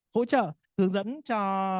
hỗ trợ hướng dẫn cho